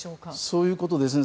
そういうことですね。